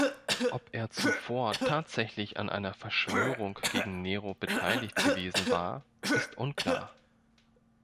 Ob er zuvor tatsächlich an einer Verschwörung gegen Nero beteiligt gewesen war, ist unklar.